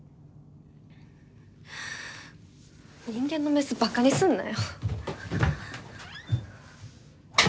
人間のメスバカにすんなよ！